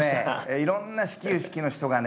いろんな始球式の人がね